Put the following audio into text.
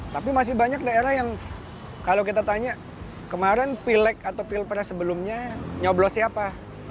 tapi masih banyak daerah yang kalau kita tanya kemarin pilek atau pilpres sebelumnya nyoblos siapa